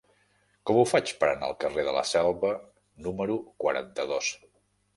Com ho faig per anar al carrer de la Selva número quaranta-dos?